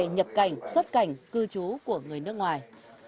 nhập cảnh xuất cảnh cư trú của người nước ngoài